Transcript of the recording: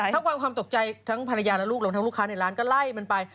ถ้าความตกใจทั้งภรรยาและลูกลูกค้าในร้านก็ไล่มันไป